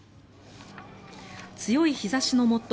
強い日差しのもと